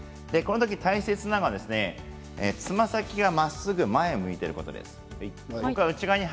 大切なのはつま先がまっすぐ前を向いていることです。